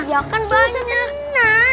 ya kan banyak